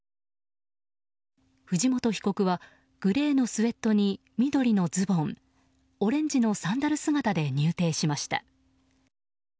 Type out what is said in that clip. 藤本被告はグレーのスウェットに緑のズボンオレンジのサンダル姿で入廷しました。